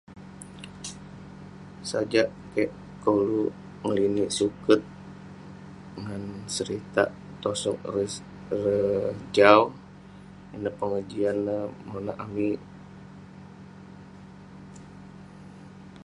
sajak keik koluk ngeninik suket, ngan seritak tosog ireh jau, ineh pengejian neh monak amik..